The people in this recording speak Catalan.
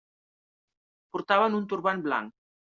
Portaven un turbant blanc.